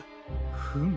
フム。